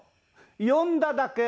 「呼んだだけ」